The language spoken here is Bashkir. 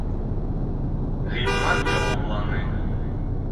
Ғилман яуапланы: